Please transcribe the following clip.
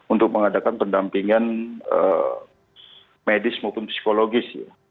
untuk mengadakan pendampingan medis maupun psikologis